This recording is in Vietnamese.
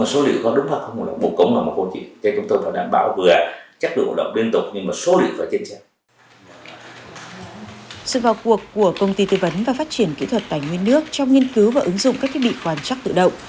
sự vào cuộc của công ty tư vấn và phát triển kỹ thuật tài nguyên nước trong nghiên cứu và ứng dụng các thiết bị quan chắc tự động